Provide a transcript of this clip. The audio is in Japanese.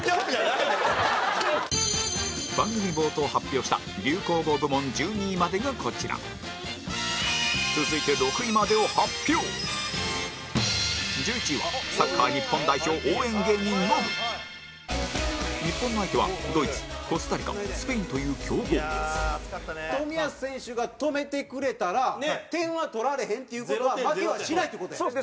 番組冒頭発表した流行語部門１２位までがこちら続いて、６位までを発表１１位は、サッカー日本代表応援芸人、ノブ日本の相手はドイツ、コスタリカスペインという強豪冨安選手が止めてくれたら点は取られへんっていう事は負けはしないって事やね？